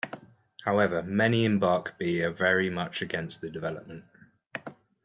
However, many in Barkby are very much against the development.